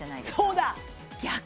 そうだ！